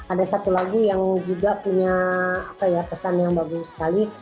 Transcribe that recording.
ada satu lagu yang juga punya pesan yang bagus sekali